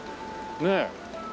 ねえ。